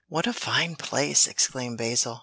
"What a fine place!" exclaimed Basil.